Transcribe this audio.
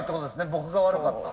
「僕が悪かった」。